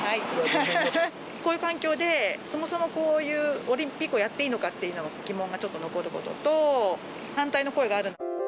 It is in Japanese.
こういう環境で、そもそもこういうオリンピックをやっていいのかっていうのが、疑問がちょっと残ることと、反対の声がある。